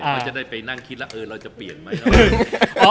เราจะได้ไปนั่งคิดแล้วเออเราจะเปลี่ยนมั้ย